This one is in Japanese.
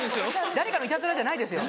誰かのいたずらじゃないですよ